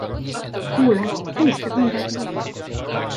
Kuule, helista tund aega hiljem.